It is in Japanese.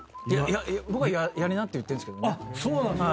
僕はやりなって言ってんですけどね。